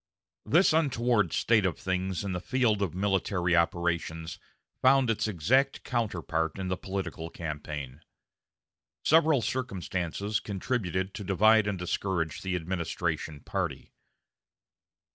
This untoward state of things in the field of military operations found its exact counterpart in the political campaign. Several circumstances contributed to divide and discourage the administration party.